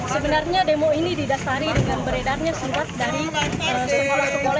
sebenarnya demo ini didasari dengan beredarnya surat dari sekolah sekolah